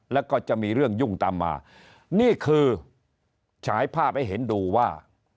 แล้วก็จะมีเรื่องยุ่งตามมานี่คือฉายภาพให้เห็นดูว่า